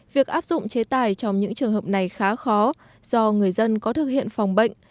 việc áp dụng chế tài trong những trường hợp này khá khó do người dân có thực hiện phòng bệnh